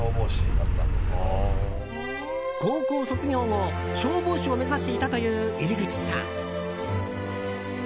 高校卒業後消防士を目指していたという射り口さん。